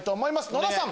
野田さん！